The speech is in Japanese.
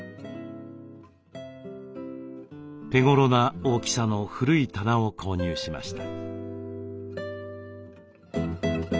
手ごろな大きさの古い棚を購入しました。